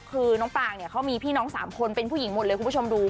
คือน้องปางเนี่ยเขามีพี่น้อง๓คนเป็นผู้หญิงหมดเลยคุณผู้ชมดู